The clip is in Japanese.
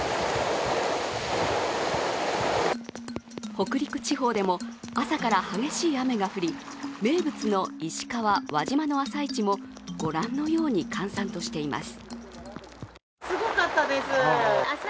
北陸地方でも朝から激しい雨が降り名物の石川・輪島の朝市もご覧のように閑散としています。